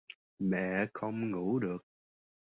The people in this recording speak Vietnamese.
Mẹ không ngủ được